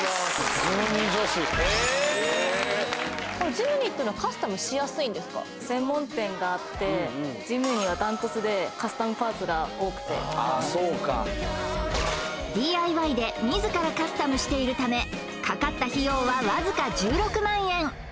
ジムニー女子へえジムニーはダントツでカスタムパーツが多くてＤＩＹで自らカスタムしているためかかった費用はわずか１６万円